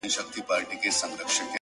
راسره جانانه ـ